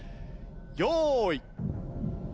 用意。